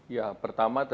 ya pertama terutama